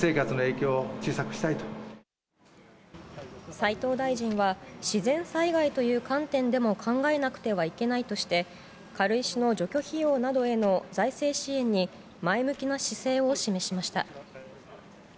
斉藤大臣は自然災害という観点でも考えなくてはいけないとして軽石の除去費用などへの財政支援に前向きな姿勢を示しました。